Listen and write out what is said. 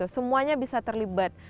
semuanya bisa terlibat